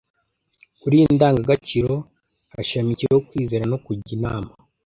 kuri iyi ndangagaciro hashamikiyeho kwizera no kujya inama